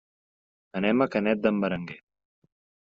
Anem a Canet d'en Berenguer.